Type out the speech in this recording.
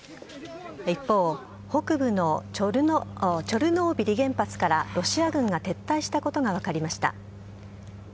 一方、北部のチョルノービリ原発からロシア軍が撤退したことが分かりました。